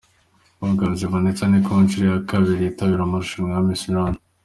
Mpogazi Vanessa ni ku nshuro ye ya kabiri yitabira amarushanwa ya miss Rwanda.